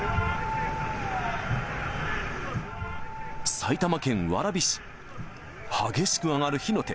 埼玉県蕨市、激しく上がる火の手。